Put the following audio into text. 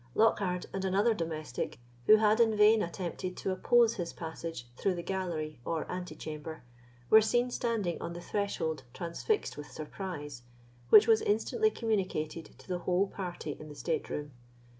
Lockhard and another domestic, who had in vain attempted to oppose his passage through the gallery or antechamber, were seen standing on the threshold transfixed with surprise, which was instantly communicated to the whole party in the state room.